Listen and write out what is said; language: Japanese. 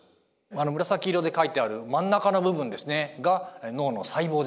紫色で描いてある真ん中の部分ですねが脳の細胞です。